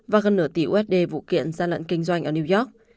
và gần nửa tỷ usd vụ kiện gian lận kinh doanh ở new york